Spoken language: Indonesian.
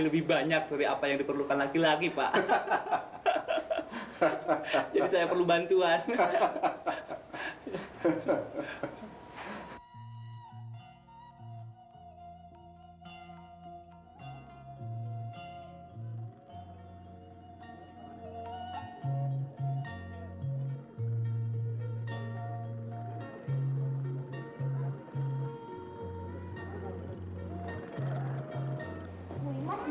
lebih banyak dari apa yang diperlukan laki laki pak hahaha jadi saya perlu bantuan hahaha hahaha